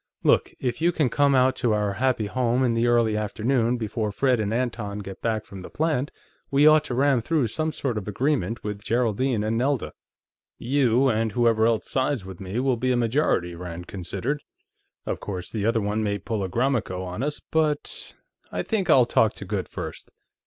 Look; if you come out to our happy home in the early afternoon, before Fred and Anton get back from the plant, we ought to ram through some sort of agreement with Geraldine and Nelda." "You and whoever else sides with me will be a majority," Rand considered. "Of course, the other one may pull a Gromyko on us, but ... I think I'll talk to Goode, first."